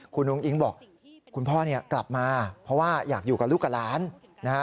คุณอุ้งอิ๊งบอกคุณพ่อเนี่ยกลับมาเพราะว่าอยากอยู่กับลูกกับหลานนะฮะ